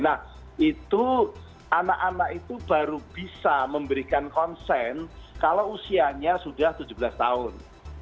nah itu anak anak itu baru bisa memberikan konsen kalau usianya sudah tujuh belas tahun